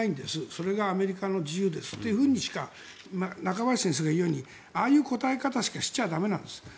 それがアメリカの自由ですとしか中林先生が言うようにああいう答え方しかしては駄目なんです。